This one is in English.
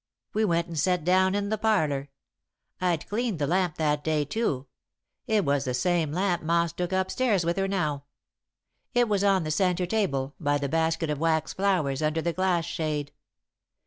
"We went and set down in the parlour. I'd cleaned the lamp that day, too it was the same lamp Ma's took up stairs with her now. It was on the centre table, by the basket of wax flowers under the glass shade.